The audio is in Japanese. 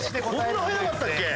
こんな速かったっけ？